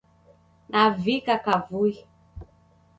Navika kavui